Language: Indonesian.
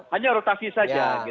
hanya rotasi saja